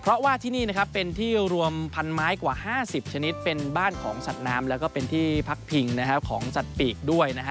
เพราะว่าที่นี่นะครับเป็นที่รวมพันไม้กว่า๕๐ชนิดเป็นบ้านของสัตว์น้ำแล้วก็เป็นที่พักพิงของสัตว์ปีกด้วยนะฮะ